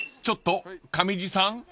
［ちょっと上地さん？］